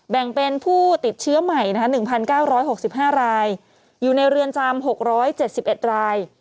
แบ่งเป็นผู้ติดเชื้อใหม่๑๙๖๕รายอยู่ในเรือนจำ๖๗๑ราย